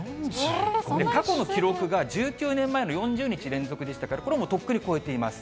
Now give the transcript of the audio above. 過去の記録が１９年前の４０日連続でしたから、これもうとっくに超えています。